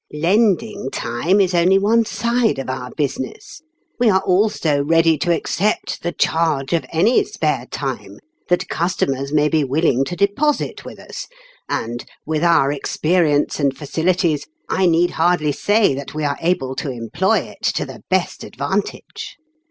Lending time is only one side of our business ; we are also ready to accept the charge of any spare time that customers may be willing to deposit with us, and, with our experience and facilities, I need hardly say that we are able to employ it to the best advantage.